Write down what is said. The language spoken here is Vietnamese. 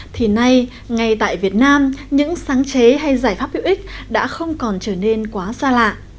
thì nay ngay tại việt nam những sáng chế hay giải pháp hữu ích đã không còn trở nên quá xa lạ